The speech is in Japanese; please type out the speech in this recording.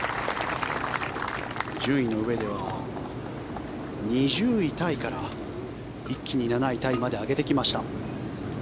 順位のうえでは２０位タイから一気に７位タイまで上げてきました。